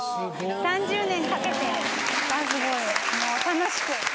３０年かけてもう楽しく。